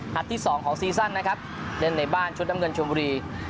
ที่สองของซีซั่นนะครับเล่นในบ้านชุดน้ำเงินชมบุรี